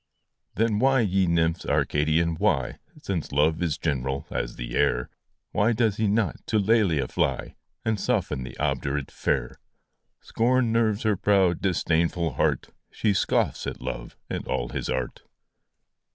THE DREAM OF LOVE. 71 Then why, ye nymphs Arcadian, why Since Love is general as the air Why does he not to Lelia fly, And soften that obdurate fair? Scorn nerves her proud, disdainful heart ! She scoffs at Love and all his art